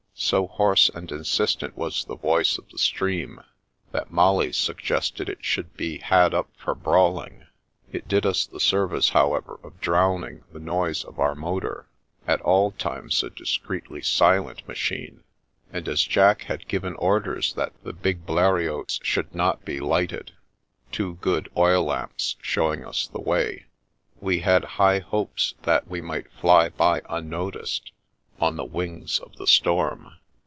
So hoarse and insistent was the voice of the stream that Molly suggested it should be "had up for brawling." It did us the service, however, of drowning the noise of our motor, at all times a discreetly silent machine; and as Jack had given orders that the big Bleriots should not be lighted (two good oil lamps showing us the way), we had high hopes that we might fly by unnoticed, on the wings of the storm.